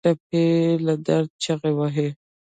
ټپي له درد چیغې وهي.